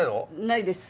ないです。